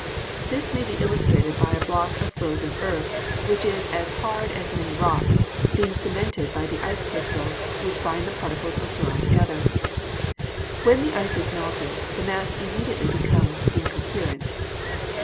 This may be illustrated by a block of frozen earth, which is as hard as many rocks, being cemented by the ice crystals, which bind the particles of soil together. When the ice is melted, the mass imme diately becomes incoherent.